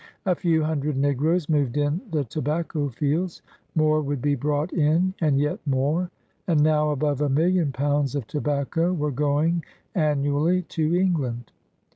A few hundred n^roes moved in the to bacco fields. More would be brought in and yet more. And now above a million pounds of tobacco were going annually to England.